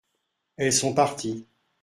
Elles sont parties.